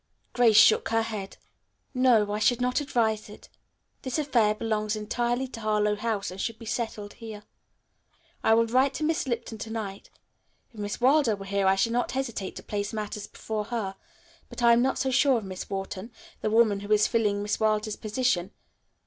Grace shook her head. "No, I should not advise it. This affair belongs entirely to Harlowe House and should be settled here. I will write to Miss Lipton to night. If Miss Wilder were here I should not hesitate to place matters before her, but I am not so sure of Miss Wharton, the woman who is filling Miss Wilder's position.